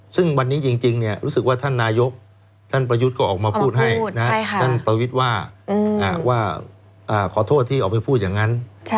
ซึ่งวันนี้จริงรู้สึกว่าท่านนายกท่านประยุทธ์ก็ออกมาพูดให้ท่านประวิทย์ว่าขอโทษที่ออกไปพูดอย่างนั้น